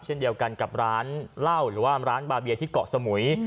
เช่นเดียวกันกับร้านเหล้าหรือว่าร้านบาเบียที่เกาะสมุย